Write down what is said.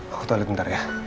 aku telfon sebentar ya